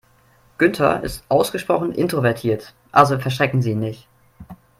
Günther ist ausgesprochen introvertiert, also verschrecken Sie ihn nicht.